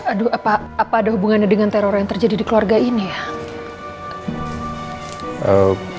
aduh apa ada hubungannya dengan teror yang terjadi di keluarga ini ya